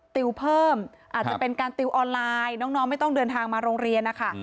ติวเพิ่มอาจจะเป็นการติวออนไลน์น้องไม่ต้องเดินทางมาโรงเรียนนะคะ